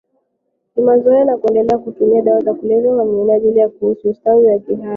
kimazoea wa kuendelea kutumia dawa za kulevya kwa minajili ya kuhisi ustawi wa kihali